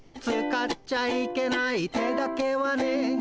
「使っちゃいけない手だけはね」